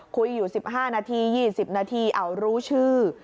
คุยอยู่๑๕นาที๒๐นาทีเอารู้ชื่อ